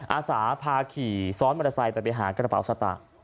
อาสาพาขี่ซ้อนมอเตอร์ไซค์ไปไปหากระเป๋าสตางค์